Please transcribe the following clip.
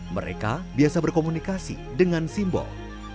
mereka biasa berkomunikasi dengan simbol